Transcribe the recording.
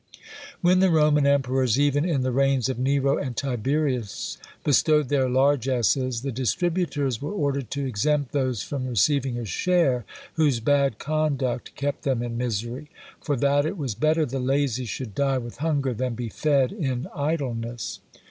When the Roman Emperors, even in the reigns of Nero and Tiberius, bestowed their largesses, the distributors were ordered to exempt those from receiving a share whose bad conduct kept them in misery; for that it was better the lazy should die with hunger than be fed in idleness.